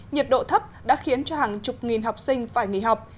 nhiệt độ thấp đã khiến cho hàng chục nghìn học sinh phải nghỉ học